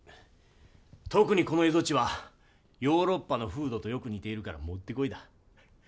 特にこの蝦夷地はヨーロッパの風土とよく似ているからもってこいだ。